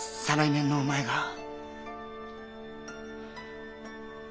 再来年のお前が。